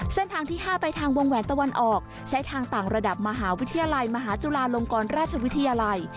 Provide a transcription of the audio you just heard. เส้นทางที่๕ไปทางวงแหวนตะวันออกใช้ทางต่างระดับมหาวิทยาลัยมหาจุฬาลงกรราชวิทยาลัย